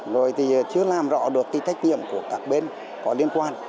rồi thì chưa làm rõ được cái trách nhiệm của các bên có liên quan